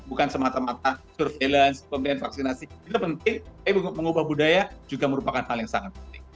untuk mengubah budaya juga merupakan hal yang sangat penting